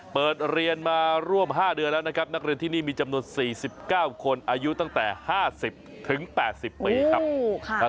เปิดเรียนมาร่วม๕เดือนแล้วนะครับนักเรียนที่นี่มีจำนวน๔๙คนอายุตั้งแต่๕๐๘๐ปีครับ